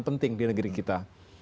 penting di negeri kita